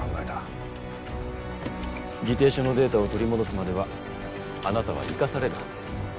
議定書のデータを取り戻すまではあなたは生かされるはずです。